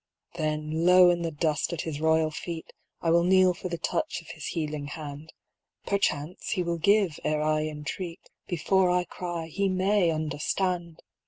" Then low in the dust at his royal feet I will kneel for the touch of his healing hand ; Perchance he will give ere I entreat. Before I cry he may understand